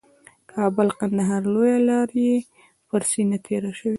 کابل قندهار لویه لاره یې په سینه تېره شوې